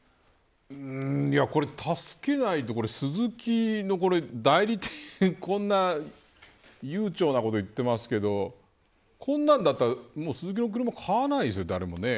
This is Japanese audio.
これ、助けないとスズキの代理店こんな悠長なこと言ってますけどこんなんだったらスズキの車買わないですよ、誰もね。